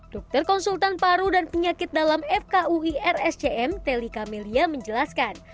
dokter konsultan paru dan penyakit dalam fkui rscm teli kamelia menjelaskan